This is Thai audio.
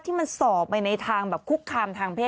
ที่มันสอบไปในทางแบบคุกคามทางเพศ